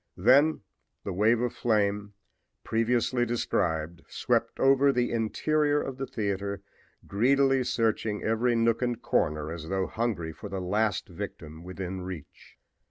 Then the wave of flame, previously described, swept over the interior of the theater, greedily searching every nook and corner as though hungry for the last victim within reach.